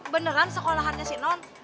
beneran sekolahannya si non